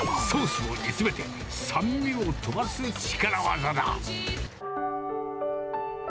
ソースを煮詰めて酸味を飛ばす力技だ。